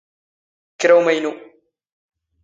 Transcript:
ⴽⵔⴰ ⵓⵎⴰⵢⵏⵓ.